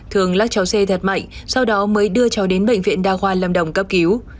thường lắc cháu c thật mạnh sau đó mới đưa cháu đến bệnh viện đa khoa lâm đồng cấp cứu